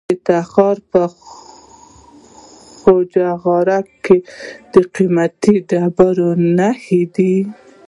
د تخار په خواجه غار کې د قیمتي ډبرو نښې دي.